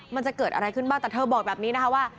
มันจะเกิดอะไรขึ้นบ้างแต่เธอบอกแบบนี้นะคะว่า